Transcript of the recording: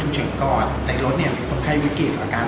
จุดเฉินก่อนแต่รถเนี่ยมีคนไคร้วิกฤตัวการร